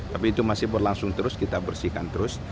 tapi itu masih berlangsung terus kita bersihkan terus